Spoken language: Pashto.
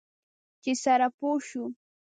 چې سره پوه شو.